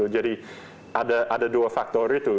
jadi ada dua faktor itu